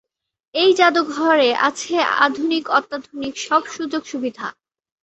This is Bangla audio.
এই জাদুঘরে আছে "আধুনিক-অত্যাধুনিক" সব সুযোগ-সুবিধা।